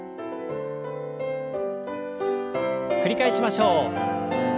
繰り返しましょう。